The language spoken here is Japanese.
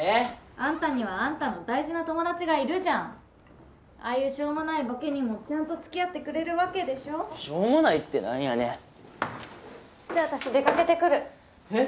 あんたにはあんたの大事な友達がいるじゃんああいうしょうもないボケにもちゃんとつきあってくれるわけでしょしょうもないってなんやねんじゃあ私出かけてくるえっ？